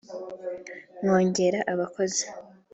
nkongera abakozi